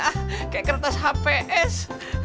kayak kertas hps